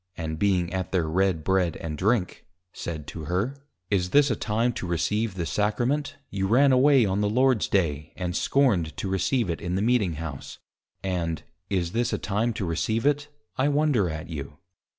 _ (and being at their Red bread and drink) said to her, _Is this a time to receive the Sacrament, you ran away on the Lord's Day, and scorned to receive it in the Meeting House, and, Is this a time to receive it? I wonder at you!